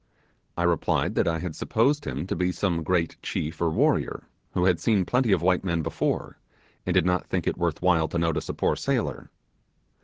I replied, that I had supposed him to be some great chief or warrior, who had seen plenty of white men before, and did not think it worth while to notice a poor sailor.